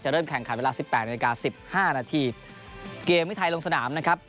จะเริ่มแข่งขันเวลา๑๘น๑๕นเกมที่ไทยลงสนามนะครับ